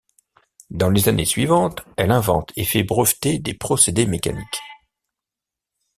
Dans les années suivantes, elle invente et fait breveter des procédés mécaniques.